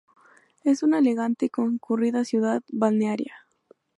Es una elegante y concurrida ciudad balnearia.